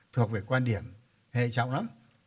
thuộc về quan điểm hệ trọng lắm